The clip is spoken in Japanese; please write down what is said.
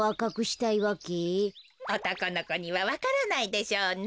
おとこのこにはわからないでしょうね。